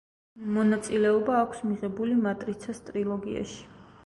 მონაწილეობა აქვს მიღებული „მატრიცას“ ტრილოგიაში.